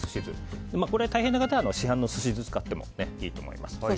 これが大変な方は市販の寿司酢を使ってもいいと思います。